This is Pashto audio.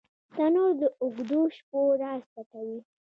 تنور د اوږدو شپو راز پټوي